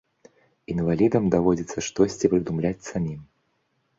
Інвалідам даводзіцца штосьці прыдумляць самім.